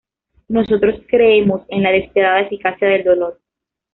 Nosotros creemos en la despiadada eficacia del dolor.